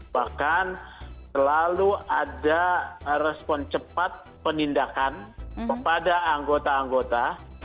bahkan selalu ada respon cepat penindakan kepada anggota anggota